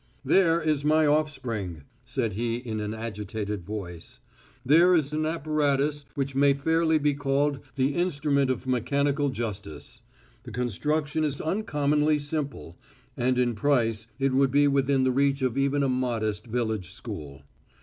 "There is my offspring," said he in an agitated voice. "There is an apparatus which may fairly be called the instrument of mechanical justice. The construction is uncommonly simple, and in price it would be within the reach of even a modest village school.